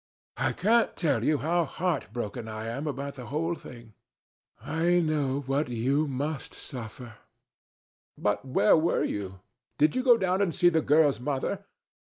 I can't tell you how heart broken I am about the whole thing. I know what you must suffer. But where were you? Did you go down and see the girl's mother?